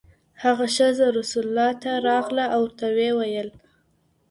هغه ښځه رسول الله ته راغله او ورته وئي ويل.